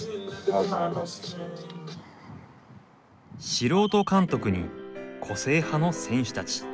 素人監督に個性派の選手たち。